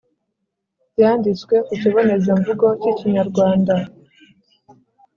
byanditwe ku kibonezamvugo k’ikinyarwanda.